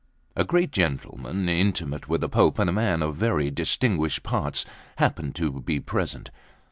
A great gentleman, intimate with the Pope, and a man of very distinguished parts, happened to be present.